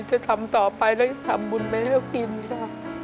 จะทำต่อไปและจะทำบุญแม่แล้วกินค่ะ